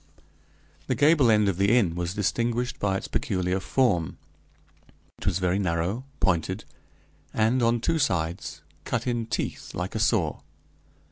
The gable end of the inn was distinguished by its peculiar form. It was very narrow, pointed, and, on two sides, cut in teeth, like a saw.